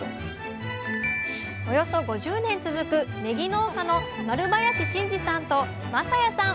およそ５０年続くねぎ農家の丸林新二さんと雅弥さん